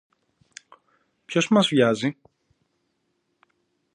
Ποιος μας βιάζει;